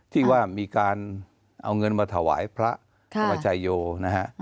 ที่ว่ามีการเอาเงินมาถวายพระธรรมชายโยนะฮะ